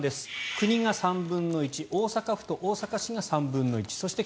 国が３分の１大阪府と大阪市が３分の１そして